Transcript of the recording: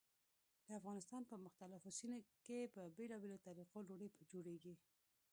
د افغانستان په مختلفو سیمو کې په بېلابېلو طریقو ډوډۍ جوړېږي.